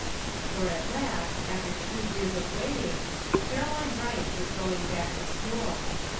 For at last, after two years of waiting, Caro line Bryant was going back to school.